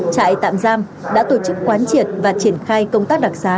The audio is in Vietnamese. trại tạm giam đã tổ chức quán triệt và triển khai công tác đặc xá